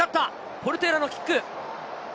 ポルテーラのキック。